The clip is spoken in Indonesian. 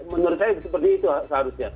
menurut saya seperti itu seharusnya